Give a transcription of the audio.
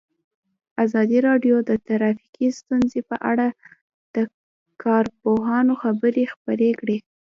ازادي راډیو د ټرافیکي ستونزې په اړه د کارپوهانو خبرې خپرې کړي.